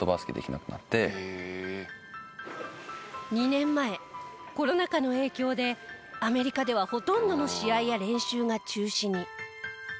２年前コロナ禍の影響でアメリカではほとんどの試合や練習が中止に。